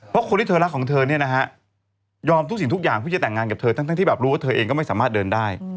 เพราะคนที่เธอรักของเธอเนี่ยนะฮะยอมทุกสิ่งทุกอย่างเพื่อจะแต่งงานกับเธอทั้งที่แบบรู้ว่าเธอเองก็ไม่สามารถเดินได้